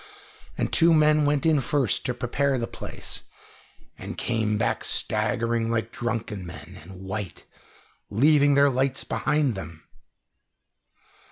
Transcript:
And two men went in first to prepare the place, and came back staggering like drunken men, and white, leaving their lights behind them.